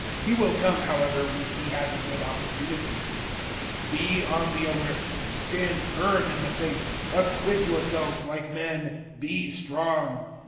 He will come, however, when he has a good opportunity. 016:013 Be on the alert; stand firm in the faith; acquit yourselves like men; be strong.